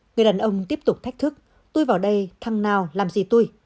người đàn ông tiếp tục thách thức tôi vào đây thằng nào làm gì tôi